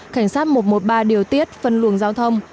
cảnh sát một trăm một mươi ba điều tiết phân luồng giao thông